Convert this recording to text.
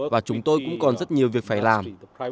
và chúng tôi cũng còn rất nhiều việc phải làm